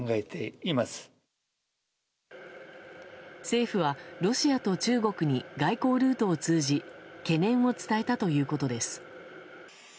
政府は、ロシアと中国に外交ルートを通じ懸念を伝えたということです。